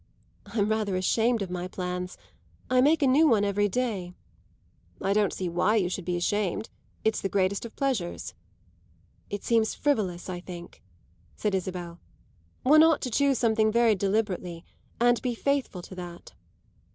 "I'm rather ashamed of my plans; I make a new one every day." "I don't see why you should be ashamed; it's the greatest of pleasures." "It seems frivolous, I think," said Isabel. "One ought to choose something very deliberately, and be faithful to that."